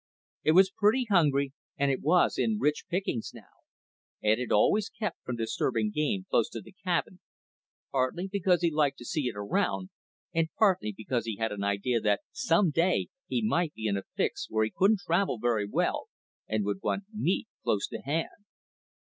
It was pretty hungry, and it was in rich pickings now Ed had always kept from disturbing game close to the cabin, partly because he liked to see it around, and partly because he had an idea that some day he might be in a fix where he couldn't travel very well, and would want meat close to hand.